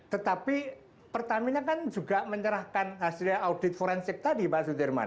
tetapi pertamina kan juga menyerahkan hasil audit forensik tadi pak sudirman